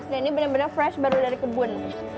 dan ini benar benar fresh baru dari kebun